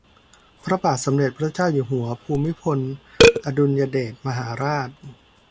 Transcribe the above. พระบาทสมเด็จพระเจ้าอยู่หัวภูมิพลอดุลยเดชมหาราช